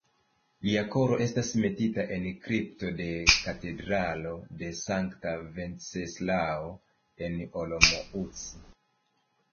Lia koro estas metita en kripto en Katedralo de sankta Venceslao en Olomouc.